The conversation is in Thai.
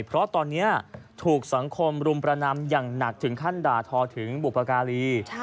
เพราะตอนนี้ถูกสังคมรุมประนำอย่างหนักถึงขั้นด่าทอถึงบุปการี